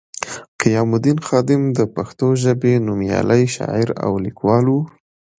قیام الدین خادم د پښتو ژبې نومیالی شاعر او لیکوال وو